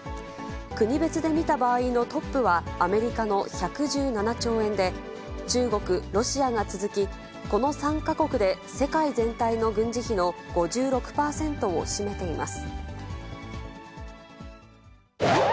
国別で見た場合のトップはアメリカの１１７兆円で、中国、ロシアが続き、この３か国で世界全体の軍事費の５６％を占めています。